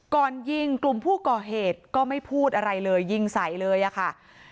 ก่อนยิงกลุ่มผู้ก่อเหตุก็ไม่พูดอะไรเลยยิงใส่เลยอะค่ะ